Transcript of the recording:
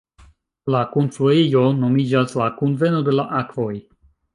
La kunfluejo nomiĝas "la kunveno de la akvoj".